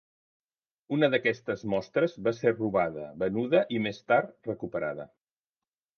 Una d'aquestes mostres va ser robada, venuda i més tard recuperada.